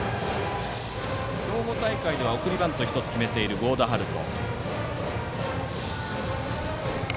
兵庫大会では送りバント１つを決めている合田華都。